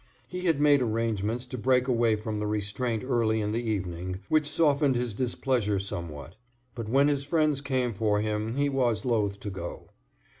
He had made arrangements to break away from the restraint early in the evening, which softened his displeasure somewhat; but when his friends came for him he was loath to go.